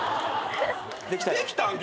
できたん？